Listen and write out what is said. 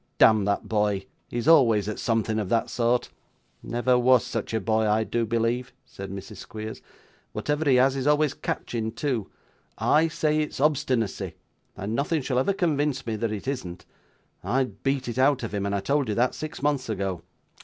'Damn that boy, he's always at something of that sort.' 'Never was such a boy, I do believe,' said Mrs. Squeers; 'whatever he has is always catching too. I say it's obstinacy, and nothing shall ever convince me that it isn't. I'd beat it out of him; and I told you that, six months ago.